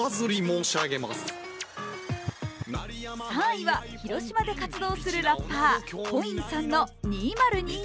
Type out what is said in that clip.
３位は、広島で活動するラッパー虎韻さんの「２０２２」。